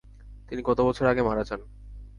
তিনি কত বছর আগে মারা যান?